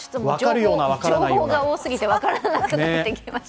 情報が多過ぎて分からなくなってきました。